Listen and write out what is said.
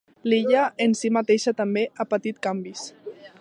L'illa en si mateixa també ha patit canvis.